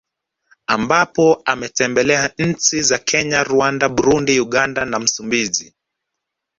Ambapo ametembelea nchi za Kenya Rwanda Burundi Uganda na Msumbiji